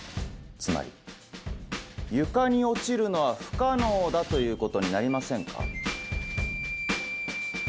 つまり床に落ちるのは不可能だということになりませんか。